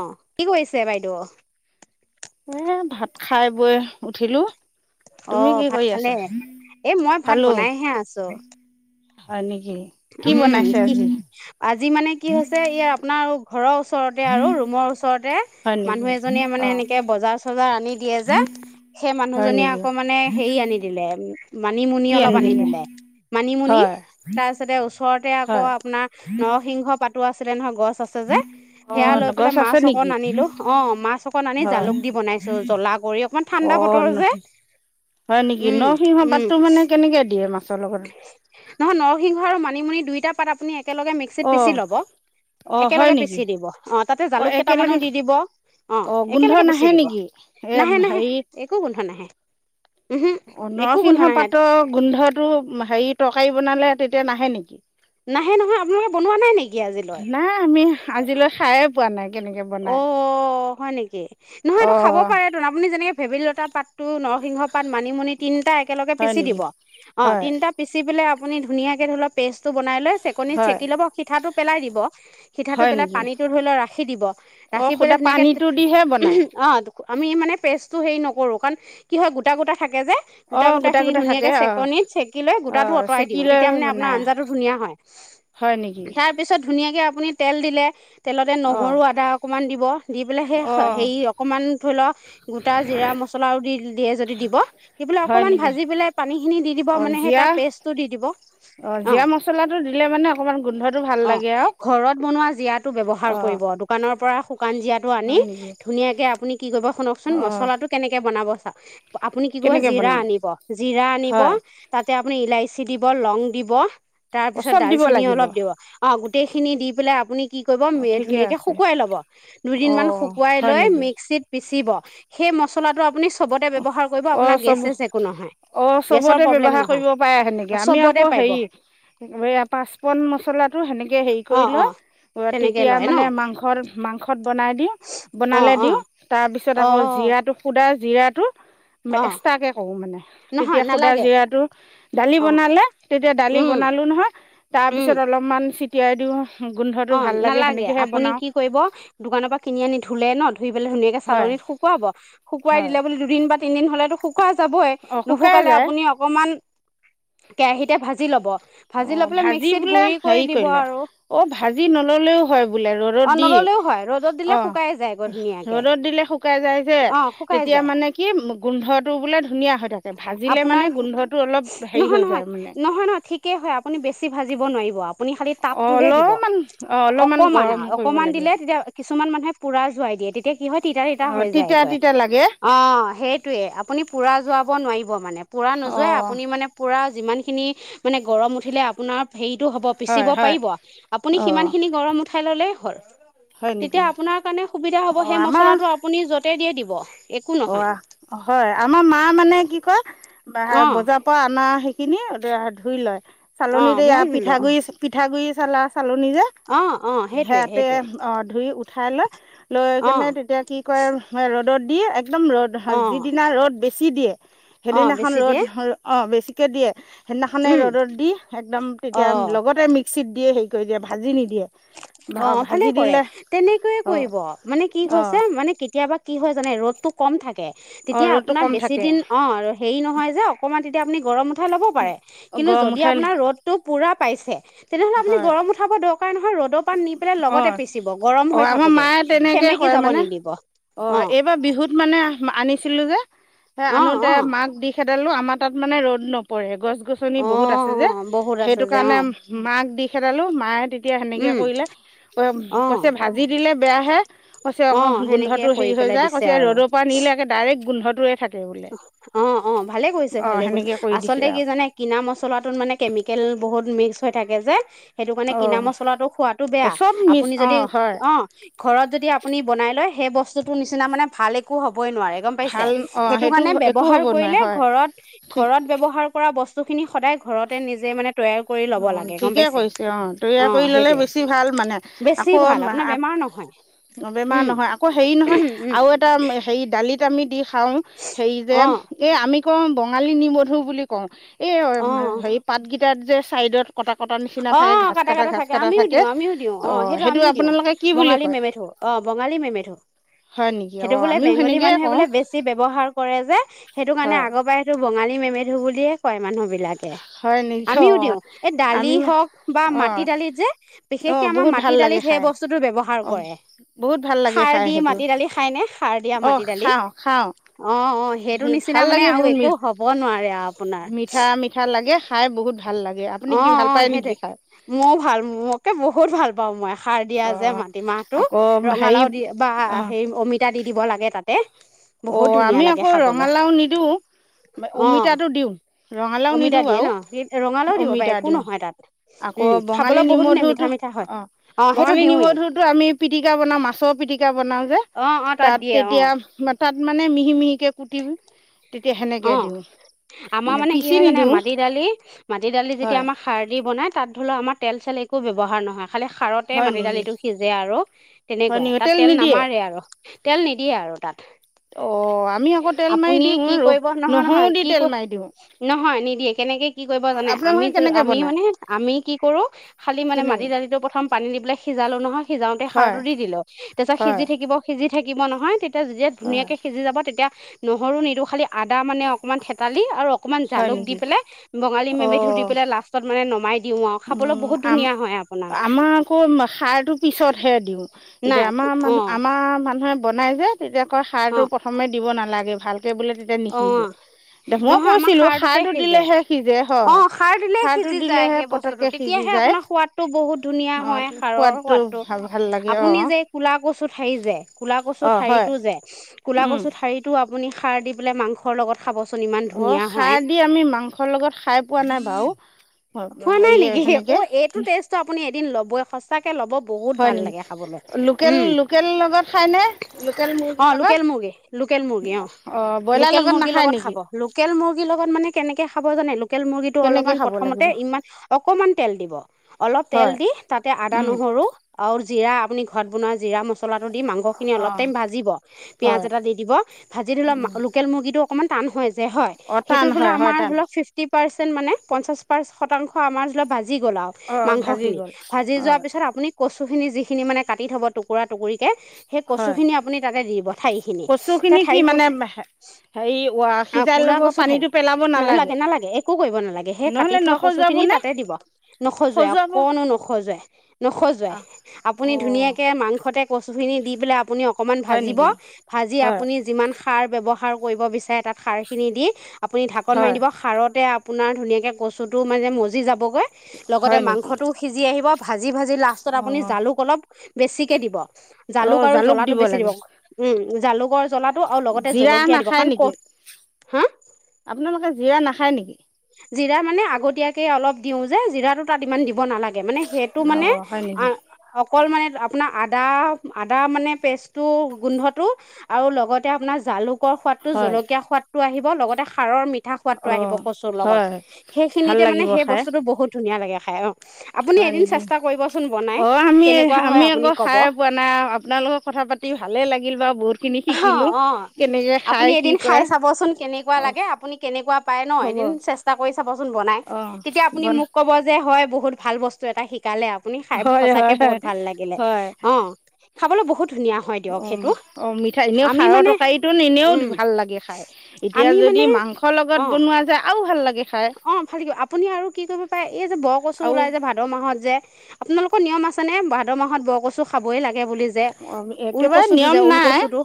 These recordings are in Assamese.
অ', কি কৰিছে বাইদেউ। এই ভাত খাই বৈ উঠিলো। অ তুমি কি ভাত কৰি আছা খালে এ মই ভাত খালো বনাইহে আছো হয় নেক উম কি আজি মানে কি হৈছে এই আপোনাৰ ঘৰ ও ওচৰতে আৰু ৰুমৰ ওচৰতে হয় নেকি মানুহ এজনীয়ে মানে অ এনেকে বজাৰ চজাৰ আনি দিয়ে যে সেই হয় মানুহজনীয়ে নেকি আকৌ মানে হেৰি আনি দিলে মানিমুনি অলপ আনি দিলে। মানিমুনি হয় ত, ততে ওচৰতে আকৌ হয় আপোনাৰ নৰসিংহ পাতি আছিলে নহয় গছ আছে যে, অ সেইয়া লৈ পেলাই গছ মাছ আছে নেকি অকণ আনিলো। অ', মাছ অকণ আনি হয় জালুক দি বনাইছো, জলা কৰি অকমান অ ঠাণ্ডা বতৰ যে, হয় নেকি উম উম। মাছ লগত নহয় নৰসিংহ আৰু মানিমুনি দুয়োটা পাত আপুনি এক একেলগে মিক্সিত অ পিচি ল'ব অ হয় একেলগে নেকি পিচি দিব অঁ তাতে অ জালুক কেইটামানো একেলগে দি দিব অঁ অ গোন্ধ একেলগে নাহে পিচি দিব নেকি এ নাহে নাহে হেৰি একো গোন্ধ নাহে উহু একো গোন্ধ নৰসিংহ নাহে পাতৰ গোন্ধটো হেৰি তৰকাৰী বনালে তেতিয়া নাহে নেকি নাহে নহয় আপোনালোকে বনোৱা নাই নেকি আজিলৈ উমহ আজিলৈ খায়ে পোৱা নাই কেনেকে অ বনাই হয় নেকি অ নহয়টো খাব পাৰে তোন আপুনি যেনেকে ফেভিল লতা পাতটো নৰসিংহ পাত মানিমুনি তিনিটা এক একেলগে হয় পিচি নেকি দিব অ হয় তিনটা পিচি পেলাই আপুনি ধুনীয়াক ধৰি লৱক পেষ্টটো বনাই লৈ চেকনিত হয় চেকি লব সিঠাটো পেলাই দিব সিঠাটো হয় পেলাই, নেকি পানীতটো ধৰি লোৱা ৰাখি দিব। অ ৰাখি পেলাই সুদা তেনেকে পানীটো দিহে বনাই অহ। আমি মানে পেজটো হেৰি নকৰো কাৰণ কি হয় গোটা গোটা থাকে যে অ গোটা গোটা খিনি থাকে ধুনীয়াকে অ চেকনেত চেকি লৈ অ গোটাতো অঁতৰাই চেকি দিওঁ লৈ তেতিয়া মানে আপোনাৰ বনাই আঞ্জাটো ধুনীয়া হয় হয় নেকি তাৰ পিছত ধুনীয়াকে আপুনি তেল দিলে তেলতে অ নহৰু আ আদা অকমান দিব দি পেলাই সেই অ হেৰি অকমান ধৰি লোৱা গোটা জিয়া মচলাও দি দিয়ে যদি দিব দি পেলাই হয় অকণমান নেকি ভাজি পেলাই পানী ভাজি খিনি দি দিব অ মানে সেই জিৰা তাৰ পেষ্টটো দি দিব অ জিৰা মছলাটো দিলে মানে অকণমান গোন্ধটো ভাল অ লাগে আৰু ঘৰত বনোৱা জিয়াটো ব্যৱহাৰ অ কৰিব কানৰ পৰা শু শুকান জীয়াটো আনি হয় নেকি ধুনীয়াকে আপুনি কি কৰিব শুনকচোন অ মচলা টো কেনেকে বনাব অ [inaudible] আপুনি কি কৰিব কেনেকে জিৰা বনাম আনিব জিৰা আনিব হয় তাত তেতিয়া আপুনি ইলাইচি দিব লং দিব তাৰ অ পিছত চব দিব ডালচেনি লাগিব অলপ দিব, অ' গোটেইখিনি দি পেলাই আপুনি কি কৰিব অ মেৰ ঠিকে ধুনীয়াক, আছে শুকুৱাই ল'ব দুদিন অ মান শুকুৱাই হয় লৈ নেকি মিক্সিত পিচিব সেই মছলাটো আপুনি চবতে ব্যৱহাৰ কৰিব অ আপোনাৰ গেছ চব চেছ একো নহয় অ গেছৰ চবতে প্ৰব্লেম ব্যৱহাৰ নহয় কৰিব পাৰে সেনেকে আমি চবতে আকৌ পাৰিব হেৰি পাঁচপন মছলাটো সেনেকে হেৰি অ কৰি অ লয় তেনেকে তেতিয়া লয় ন মানে মাংসৰ মাংসত বনাই দিওঁ অ বনালে অ দিওঁ তাৰ পিছত আকৌ অ', জৰা টো শুদা বিৰাট অ', এক্সট্ৰাকে কৰোঁ মানে। নহয় তেতিয়া খুদা নালাগে জিৰাটো দালি অ', বনালে তেতিয়া দালি উম, বনালোঁ নহয় উম, তাৰপিছত অলপমান তিয়াই দিওঁ গোন্ধটো অ ভাল লাগে নেলাগে সেনেকৈহে আপুনি বনাওঁ কি কৰিব দোকানৰ পৰা কিনি আনি ধুলে ন ধুই পেলাই ধুনীয়াকে হয় চালনিত শুকুৱাব শুকুৱাই হয় দিলে বুলি দুদিন বা তিন দিন হলেতু সুক- শুকোৱা যাবই অঁ শুকাই নুশুকালে যায় আপুনি অকমান কেৰাহিতে ভাজি ল'ব। ভাজি অ লৈ পেলাই ভাজি মিক্সিত বোলে গুৰি কৰি হেৰি দিব কৰিলে আৰু অ ভাজি নল'লেও হয়। বোলে ৰ'দত অ', দি নল'লেও হয় ৰ'দত দিলে অ শুকাই যায়গৈ ধুনীয়াকে ৰ'দত দিলে শুকাই যায় যে অ', শুকাই তেতিয়া যায় মানে কি গোন্ধটো বোলে ধুনীয়া হৈ থাকে ভাজিলে আপোনাৰ মানে নহয়, গোন্ধটো অলপ হেৰি নহয়, হৈ যায় মানে নহয়, নহয় ঠিকেই হয় আপুনি বেছি ভাজিব নোৱাৰিব আপ অলপমান অ', অলপমান গৰম। কৰিব অকণমান লাগে দিলে তেতিয়া কিছু মানুহে পুৰা তাৰ জোৱাই দিয়ে টিত এতিয়া কিহ তিতা তিতা অ হৈ যায় কয় তিতা লাগে অ সেই- টোৱে আপুনি পূৰা যোৱাব নোৱাৰিব মানে পূৰা অ নোযোৱ আপুনি মানে পূৰা যিমানখিনি মানে গৰম উঠিলে আপোনাৰ হেই হব পিচিব হয় হয় পাৰিব আপুনি অ সিমান খিনি গৰম উঠাই ললে হয়। হয় নেকি তেতিয়া আপোনাৰ কাৰণে সুবিধা হ'ব অ সেই আমাৰ মচলাটো আপুনি য'ত ততে দিয়ে দিব একো অ নহয় হয় আমাৰ মা মানে কি কয় বা অ বজাৰ পৰা আনা সেই - খিনি ধুই লয় অ চালনীতে এয়া মই ৰুলো পিঠাগুৰি পিঠাগুৰি লাষ্ট চালনি যে অ অ সেইটোৱে সেআতে সেইটোৱে অ ধুই উঠ- ঠাই লৈ লৈ অ কেনে তেতিয়া কি কয় ৰ'দত ইয়ে এক একদম ৰ'দ হয় অ যিদিনা ৰ'দ বেছি চি দিয়ে অ সেইদিনাখন বেছি ৰ'দ দিয়ে হয় অ বেছি কে দিয়ে সেইদিনাখনে উম ৰ'দত দি একদম তেতিয়া অ লগতে মিক্স মিক্সিত দিয়ে হেৰি কৰি দিয় ভাজি নি- অ ভালে কৰে তেনেকৈয়ে অ' কৰিব মানে কি অ' হৈছে মানে কেতিয়াবা কি হয় জানে ৰ'দটো কম থাকে অ' তেতিয়া ৰ'দটো আপোনাৰ কম বেছি থাকে দিন অ হেৰি নহয় যে অকমান তেতিয়া মানে গৰমত থা ল'ব পাৰে কিন্তু গৰম যদি উঠাই আপোনাৰ ৰ'দটো পুৰা পাইছে তেনেহ'লে আপুনি হয় গম উাব দৰকাৰ নয়। অ অ হৈ আমাৰ থাকোতে মায়ে তেনেকে সেমেকি কয় যাব মানে নিদিব অ এইবাৰ বিহুত মানে আনিছিলো যে। অ আনোতে অ মাক দি খে তেলো আমাৰ তাত মানে ৰ'দ নপৰে গছ', গছনি, অ বহুত আছে যে বহুত আছে সেইটো যে অ কাৰণে দি খেদালো মায়ে সেনেকে উম কৰিলে অ কৈয়ছে ভাজি দিলে বেয়া হে কৈযছে অ'ক অ সেনেকে গোন্ধটো কৰি সেৰি হয় পেলাই য়াই দিছে কৈছে আৰু ৰ'দ ল নিলে ডাৰেক অ অ ভালে কৈছে অঁ ভালে কৈছে সেনেকে কৰি দিছে আচলতে কি আৰু জানে কিনা মচলাটোত মানে কেমিকেল বহুত মিক্স হৈ থাকে যে। সেইটো কাৰণে কিনা অঁ মচলাটো খোৱাতটো বেয়া চব মিছ আপুনি যদি অঁ হয় অ ঘৰত যদি আপুনি বনাই লয় সেই বস্তুটোৰ নিচিনা মানে ভাল একো হ'ব সবই নোৱাৰে গম পাইছে। ভাল অঁ সেইটো কাৰণে একো ব্যৱহাৰ হ'ব নোৱাৰে কৰিলে হয় ঘৰত ঠিক ঘৰত ব্ৱহাৰ কৰা বস্তু বস্তুখিনি সদায় ঘৰতে নিজে মানে তৈয়াৰ কৰি ল'ব অ লাগে গম ঠিকে পাইছে কৰিছে অ তৈয়াৰ কৰি অ', ললে সেইটোৱে বেছি ভাল মানে বেছি আকৌ ভাল আপোনাৰ বেমাৰ নহয় বেমাৰ উম, নহয় আকৌ হেৰি নহয়। উম, আৰু এটা হেৰি দালিত আমি দি খাওঁ হেৰি যে অ', এই আমি কম বঙালী, নিবধু বুলি কওঁ এই অ', অ হেৰি পাত, গ তাত যে ছাইডত অ কাটা কটা থাকে আমিও দিওঁ আমিও দিওঁ অ সেইটো আমিও দিওঁ আপোনালোকে কি বুলি বঙালী কয় মেমেথু অ বঙালী মেমেথু হয় নেকি সেইটো অ বোলে আমিও বেংগলী সেনেকয়ে মানুহে কওঁ বোলে বেছি ব্যৱহাৰ কৰে যে সেইটো কাৰণে হয় আগৰ পৰা সেইটো বঙালী মেমেধু বুলিয়ে কয় মানুহবিলাক হয় নেকি অ আমিও দিওঁ এই দালি আমি বা অ মাটি দালিত, যে অ বিশেষকে আমাৰ বহুত মাটি ভাল লাগে দালিত সেই খাই বস্তুটো ব্যৱহাৰ অ কৰে বহুত ভাল লাগে সাৰ খাই দি সেইটো মাটি দালি খাই ন সাৰ দিয়া মাটি দালিত অ সেইটো সেই নিচিনা ভাল মানে লাগে আৰু বহুত মি একো হ'ব নোৱাৰে আৰু আপোনাৰ মিঠা মিঠা লাগে খাই বহুত ভাল লাগে আপুনি অ কি ভাল অ পায় সেইট নেকি খাই মই ভাল মোকে বহুত ভাল পাও মই আ সাৰ দিয়া যে অঁ মাটিমাহটো আকৌ হেৰি ৰঙালাও, দি বা হে অমিতা দি দিব লাগে তাতে অ বহুত ধুনীয়া আমি লাগে আকৌ খাবলৈ ৰঙালাও, নিদিওঁ অঁ অমিতাটো, দিওঁ ৰঙালাও অমিতা নিদিওঁ দিয়ে আৰু ন ৰঙালাও দিব পাৰে অমিতা একো দিওঁ নহয় তাত আকৌ উম বঙালী, খাবলৈ নিম বহুত ধুনীয়া মিঠা ধুৰটো মিঠা হয় অ অঁ সেইটো বঙালী নিম দিওঁৱেই ধুৰটো আমি পিটিকা বনাওঁ মাছৰ, পিটিকা বনাওঁ যে অঁ অঁ তাত দিয়ে অঁ তেতিয়া। মানে মিহি মিহিিকে কুটিবি অ আমাৰ মানে কি পিচি হয় জানে নিদিওঁ মাটি দালি মাটি দালি যেতিয়া হয় আমাক সাৰ দি বনাই তাত ধৰি লও আমাৰ তেল চাল একো ব্যৱহাৰ নহয় খালি খাৰতে হয় মাটি নেকি দালিটো সিজে আৰু হয় তেনেকুৱাই নেকি তাত তেল নিদিয়ে নামাৰে আৰু তেল নিদিয়ে আৰু তাত অ আমি আকৌ তেল আপুনি মাৰি দিম কি কৰিব নহয় নহয় কি ক নহয় নিদিয়ে কেনেকে কি কৰিব জানে আমি আপোনালোকে কেনেকে আমি বনাই মানে আমি কি কৰো খালি মানে মাটি কেনেকে দালিটো প্ৰথম পানী দি পেলাই সিজালো নহয় সিজাওতে হয় সাৰটো দি দিলো তাৰ পিছত হয় সিজি থাকিব সিজি থাকিব নহয় তে তে যেতিয়া হয় ধুনীয়াকৈ সিজি যাব তেতিয়া নহৰু নিদো খালি আদা মানে অকণমান থেতালি আৰু অকণমান হয় জালুক দি নেকি পেলাই বঙালী মেমেধু দি পেলাই লাষ্টত মানে নমাই দিওঁ আৰু খাবলৈ উম্‌ বহুত ধুনীয়া আম্‌- হয় আপোনাৰ আমাৰ আকৌ- সাৰটো পিছতহে দিওঁ। নাই এতিয়া আমাৰ অ মান- আমাৰ মানুহে বনাই যে তেতিয়া কয় অ সাৰটো প্ৰথমে দিব নাগে লাগে ভাল ে বোলে তেতিয়া অ নিসিজে এ মই নহয় আমাৰ কৈছিলো সাৰটোতে সাৰটো সিজে দিলেহে সিজে অ হয় দিলে সাৰ টো সিজি যায় দিলেহে সেই পতক বস্তুটো তেতিয়াহে আপোনাৰ সোৱাদটো বহুত ধুনীয়া অ' হয়, সাৰৰ সোৱাদটো। ভাল ভাল লাগে আপুনি অ' যে এই কোলা কচু ঠাৰি যে, কোলা কচু অ' হয় ঠাৰিটো যে কোলা উম। কচু ঠাৰীটো আপুনি সাৰ দি বোলে মাংসৰ লগত খাবচোন ইমান অ' ধুনীয়া হয় খাৰ দি আমি মাংসৰ লগত খাই পোৱা নাই বাও খোৱা -হেৰিয়ে হেনেকে! দিন ল'বই সঁচাক ল'ব বহুত ভাল লাগে খাবলৈ লোকেল উম লোকেল লগত খায়নে লোকেল অ মুৰ্গীৰ লগত লোকেল মুৰ্গী লোকেল মুৰ্গী অ ব্ৰইলাৰ লোকেল মুৰ্গীৰ নাখায় লগত নেকি খাব লোকেল মুৰ্গীৰ লগত মানে কেনেকে খাব জে লোক ম কেনেকে খাব লাগিব হয় উম জিৰা, আপুনি ঘৰত বনোৱা জিৰা মচ মচলাটো দি মাংসখিনি অ অলপ টাইম ভাজিব পিঁয়াজ হয় এটা দি দিব ভাজি উম ধৰিলে মুৰ্ী অকমান টান হৈায় হয় অ টান হয় হয় টান সেইতম পাৰ্চেট মানে পঞ্চাশ শতাংশ আমাৰলপাজ ভাজি গ'ল আৰু অ মাংস ভাজি খিনি গ'ল ভাজি অ যোৱাৰ পিছত আপুনি কচুিনিখিনি মানে কাটি থব টুকোৰা টুকোৰি কে সেই কচু হয় খিনি আপুনি তাতে দি দিব ঠাৰি খিনি কচুখিনি কি ঠাৰি মানে কচু হেৰি অ সিজাই কুলা ল'ব কচু ঠাৰি পানীটো পেলাব নালাগে নালাগে একো কৰিব নালাগে সেই কাটি নহ'লে থোৱা কচু নসজুৱাব খিনি নে তাতে দিব নখজুৱাই সজুৱাব অকনো নখজুৱাই নখজুৱাই অ আপুনি ধুনীয়াকে মাংসতে কচুখিনি দি পেলাই আপুনি অক্‌ অকমান হয় ভাজিব, নেকি ভাজি হয় আপুনি যিমান খা সাৰ ব্যৱহাৰ কৰিব বিচাৰে তাত সাৰখিনি দি আপুনি ঢাকন মাৰি হয় দিব সাৰতে আপোনাৰ ধুনীয়াকৈ কচুটো মানে মজি যাব গৈ লগতে হয় নেকি মাংসটো সিজি আহিব ভাজি ভাজি লাষ্টত আপুনি অ', জালুক অলপ বেছিকে দিব জালুক আৰু জ্বলাটো বেছি দিব উম জালুকৰ জ্বলাতো জিৰা নাখায় নেকি হা আপোনালোকে জিৰা নাখায় নেকি জিৰা মানে আগতীয়াকৈ অলপ দিওঁ যে জিৰাটো তাত ইমান দিব নালাগে মানে সেইটো মানে অ', হয় নেকি? অকল মানে আপোনাৰ আদা-আদা মানে পেষ্টটো, গোন্ধটো আও লগতে আপোনাৰ জালুক কৰ সোৱাদটো হয় জলকীয়া সোৱাদ আহিব, লগতে সাৰৰ মি ঠা সোৱাদটো আহিব অ', কচুৰ লগত হয় ভাল সেইখিনিতে মানে লাগিব সেই খাই বস্তুটো বহুত ধুনীয়া লাগে আৰু খাই আপুনি হয় এদিন নেকি চেষ্টা কৰিবচোন বনাই অ আমি কেনেকুৱা হয় আমি আপুনি আকৌ ক'ব খাইে পোৱা নাই আপোনালোকক কথা পাতি ভালে লাগিল বাৰু বহুত অ অ আপুনি কি এদিন কৰে খাই চাবচোন কেনেকুৱা অ', লাগে আপুনি কেনেকুৱা পাই ন হ'ব এদিন চেষ্টা কৰি চাবচোন বনাই অ', তেতিয়া আপুনি বন মোক কব যে হয় বহুত ভাল বস্তু এটা শিক শিকালে আপুনি খাই হয় সঁচাকে হয় বহুত হয় ভাল লাগিলে। হয় অ' খাবলৈ বহুত ধুনীয়া হয় দিয়ক অ', সেইটো। অ' মিঠাই। এনেও আমি সাৰৰ মানে তৰকাৰী তোন্‌ এনেও উম ভাল লাগে খায়। এতিয়া আমি যদি মানে মাংস লগত অ বনোৱা যায় আও ভাল লাগে খাই অ' ভাল লাগিব। আপুনি আৰু কি কৰিব পাৰে- এই যে বৰ কচু আৰু ওলাই যে ভাদ মাহত যে আপোনালোকৰ নিয়ম আছে নে ভাদ মাহত বৰকচু খাবই লাগে বুলি যে অ ঊল একেবাৰে কচু টো নিয়ম যে ঊল নাই কচু টো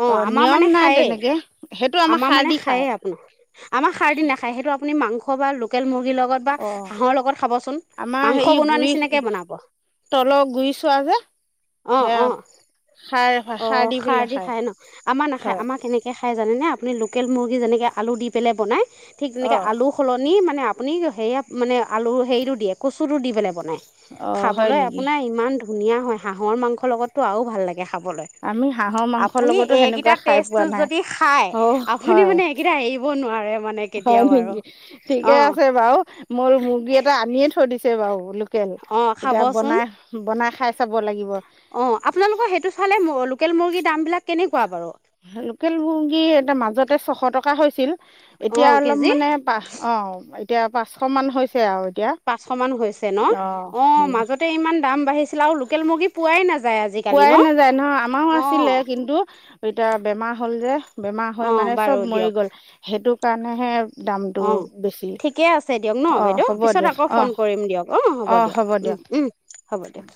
অ আমাৰ নিয়ম মানে নাই খায়েই তেনেকে সেইটো আমাৰ সাৰ মানে দি খায় আপাৰ আমাৰ খাৰ দিনা খায় সেইটো আ আপুনি মাংস বা লোকেল মু লগত বা অ হাঁহৰ লগত খাবচোন, আমাৰ মাংস হেৰি বনোৱা গুৰি নিচিনাকে বনাব, তলৰ গুৰি চোৱা যে অ', সেয়া অ', সাৰ সাৰ অ', খাৰ পেলাই দি খায় ন'? আমাৰ নাখায়, হয় আমাৰ কেনেকে খাই জানে নে আপুনি লোকেল মুৰ্গী যেনেকে আলু দি পেলে বনায় ঠিক অ তেনেকা সলনি মানে আপুনি সেয়া মানে আলু হেৰিটো দিয়ে কচুটো দি পেলাই বনায়। অ হয় খাবলৈ নেকি আপোনাৰ ইমান ধুনীয়া হয় হাঁহৰ মাংসৰ লগতো আৰু ভাল লাগে। এয়া খাবলৈ, আমি হাঁহৰ মাংসৰ আপুনি লগতো এইকিটা সেনেকুৱা খাই পোৱা টেষ্টটো নাই যদি খায়, অ আপুনি হয় মানে এইকিটা এৰিব নোৱা মানে হয় কেতিয়াও আৰু নেকি ঠিকে আছে বাও, মই মুৰ্গী এটা আনিয়ে থৈ দিছ সেৱাও তেল অ', এতিয়া খাবচোন বনাই বনাই খাই চাব লাগিব অ', আপোনালোকৰ সেইটো চালে লোকেল মুৰ্গী দামবিলাক কেনেকুৱা বাৰু? তাতে ছশ টকা হৈছিল। এতিয়া অ', অলপ কেজি মানে পাহ অ'। এতিয়া পাঁচশ মান হৈছে আৰু। এতিয়া পাঁচশ মান হৈছে ন' অঁ অ', মাজতে ইমান দাম বাঢ়িছ লোকেল মুৰ্গী পোৱাই নায পোৱাই নাযায়, নহয় আমাৰো আছিলে কিন্তু এতিয়া বেমাৰ হ'ল যে। বেমাৰ হৈ অ', মানে বাৰু চব মৰি দিয়ক গ'ল, সেইটো কাৰাণেহে অ', ঠিকে আছে দিয়ক ন' অঁ বাইদেউ হ'ব পিছত দিয়ক আকৌ অঁ ফোন কৰিম দিয়ক অ', হ'ব দিয়ক, উম, উম, হ'ব দিয়ক।